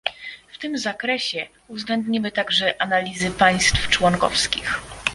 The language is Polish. W tym zakresie uwzględnimy także analizy państw członkowskich